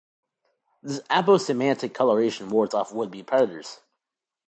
This aposematic colouration wards off would-be predators.